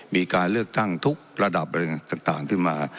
มีการเลือกตั้งทุกระดับอะไรต่างขึ้นมา